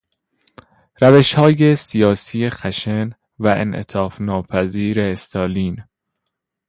روشهای سیاسی خشن و انعطاف ناپذیر استالین